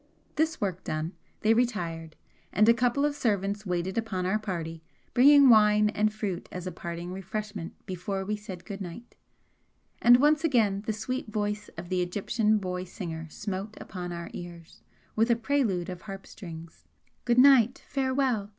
This work done, they retired, and a couple of servants waited upon our party, bringing wine and fruit as a parting refreshment before we said good night, and once again the sweet voice of the Egyptian boy singer smote upon our ears, with a prelude of harp strings: Good night, farewell!